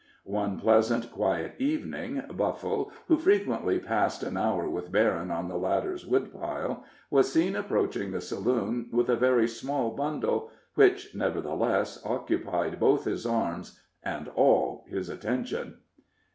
One pleasant, quiet evening, Buffle, who frequently passed an hour with Berryn on the latter's woodpile, was seen approaching the saloon with a very small bundle, which, nevertheless, occupied both his arms and all his attention.